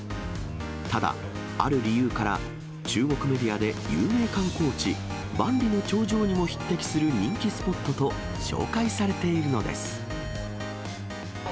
ただ、ある理由から、中国メディアで有名観光地、万里の長城にも匹敵する人気スポットと紹介されているのです。